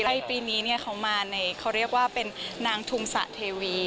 ใช่ปีนี้เนี่ยเขามาในเขาเรียกว่าเป็นนางทุงสะเทวี